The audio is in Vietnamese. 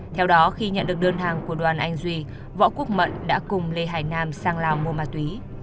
theo đó khi nhận được đơn hàng của đoàn anh duy võ quốc mận đã cùng lê hải nam sang lào mua ma túy